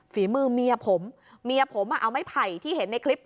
ฝีมือเมียผมเมียผมเอาไม้ไผ่ที่เห็นในคลิป